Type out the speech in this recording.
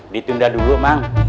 ditunda dulu mang